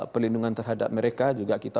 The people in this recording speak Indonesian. pelindungan terhadap mereka juga kita